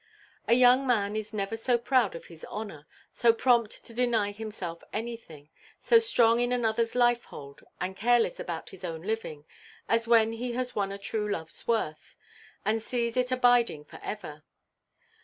A young man is never so proud of his honour, so prompt to deny himself anything, so strong in anotherʼs lifehold, and careless about his own living, as when he has won a true loveʼs worth, and sees it abiding for ever.